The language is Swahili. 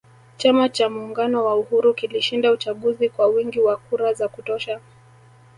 Chama cha muungano wa uhuru kilishinda uchaguzi kwa wingi wa kura za kutosha